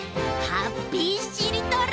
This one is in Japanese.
ハッピーしりとり？